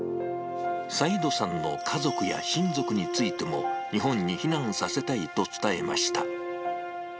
サイードさんの家族や親族についても、日本に避難させたいと伝えました。